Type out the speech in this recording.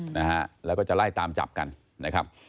นะฮะแล้วก็จะไล่ตามจับกันนะครับ